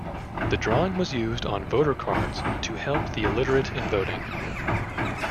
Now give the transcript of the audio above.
The drawing was used on voter cards to help the illiterate in voting.